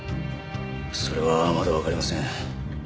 それはまだわかりません。